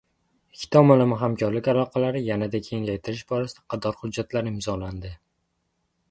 Ikki tomonlama hamkorlik aloqalarini yanada kengaytirish borasida qator hujjatlar imzolandi